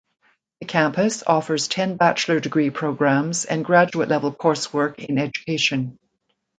The campus offers ten bachelor degree programs and graduate level coursework in education.